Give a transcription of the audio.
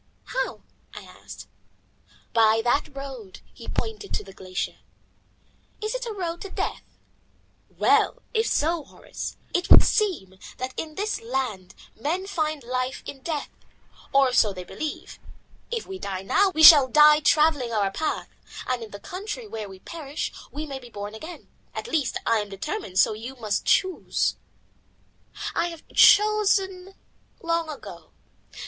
"How?" I asked. "By that road," and he pointed to the glacier. "It is a road to death!" "Well, if so, Horace, it would seem that in this land men find life in death, or so they believe. If we die now, we shall die travelling our path, and in the country where we perish we may be born again. At least I am determined, so you must choose." "I have chosen long ago.